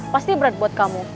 pasti berat buat kamu